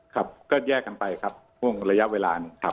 แตกแยกกันไปครับวงระยะเวลานึงครับ